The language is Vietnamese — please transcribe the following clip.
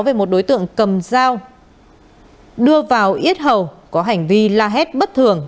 về một đối tượng cầm dao đưa vào ít hầu có hành vi la hét bất thường